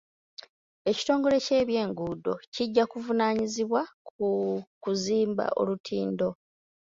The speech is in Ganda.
Ekitongole ky'ebyenguudo kijja kuvunaanyizibwa ku kuzimba olutindo.